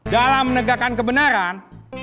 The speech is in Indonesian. dalam menegakkan kebenaran